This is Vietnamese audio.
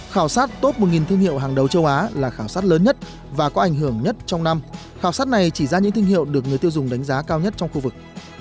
khảo sát top một thương hiệu hàng đầu châu á là khảo sát lớn nhất và có ảnh hưởng nhất trong năm khảo sát này chỉ ra những thương hiệu được người tiêu dùng đánh giá cao nhất trong khu vực